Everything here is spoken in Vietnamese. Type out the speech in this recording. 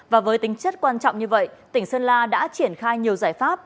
và với tính chất quan trọng như vậy tỉnh sơn la đã triển khai nhiều giải pháp